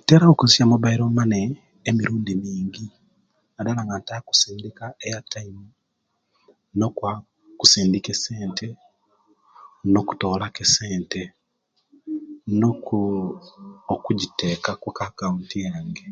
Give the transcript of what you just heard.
Ntera okozesya mobile mane emirundi mingi nadala nga ntaka okusindika airtime, nokwa kusindika esente nokutola ku esente nokujiteka ku account yange